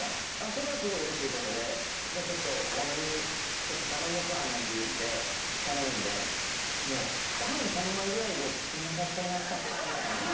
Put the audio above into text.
それはすごい嬉しい事で「じゃあちょっと多めに頼もうか」なんて言って頼んでもうタン３枚ぐらいで「ちょっとおなかいっぱいになっちゃった」みたいな。